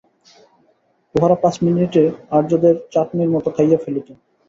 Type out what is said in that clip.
উহারা পাঁচ মিনিটে আর্যদের চাটনির মত খাইয়া ফেলিত।